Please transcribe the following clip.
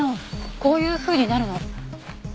こういうふうになるの。